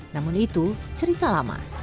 namun itu cerita lama